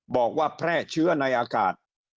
บอกว่าแพร่เชื้อในอากาศ